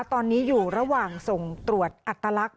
ตอนนี้อยู่ระหว่างส่งตรวจอัตลักษณ